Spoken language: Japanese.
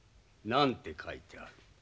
何て書いてある？